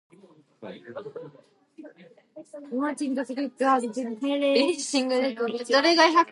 Part of her research here included work for the Australian Research Council Linkage project.